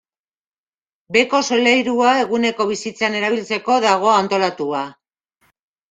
Beheko solairua eguneko bizitzan erabiltzeko dago antolatua.